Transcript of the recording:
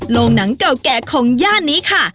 โรงหนังเก่าแก่ของย่านนี้ค่ะ